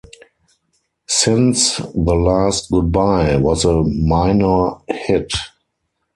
"Since The Last Goodbye" was a minor hit.